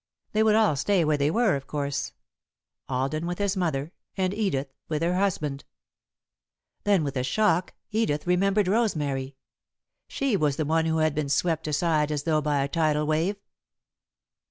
They would all stay where they were, of course Alden with his mother, and Edith with her husband. Then, with a shock, Edith remembered Rosemary she was the one who had been swept aside as though by a tidal wave.